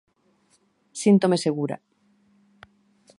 Síntome segura.